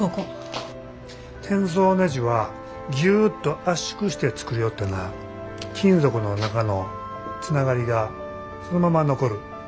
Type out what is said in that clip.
転造ねじはギュッと圧縮して作るよってな金属の中のつながりがそのまま残る。